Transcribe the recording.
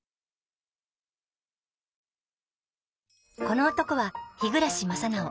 この男は日暮正直。